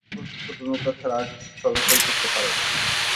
তার উত্তরের জলপথে ছোটো নৌকা ছাড়া আর কিছুই চলাচল করতে পারে না।